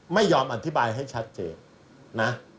ไม่ยอมอธิบายให้ชัดเจนนะ